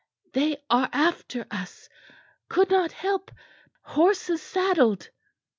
"They are after us could not help horses saddled."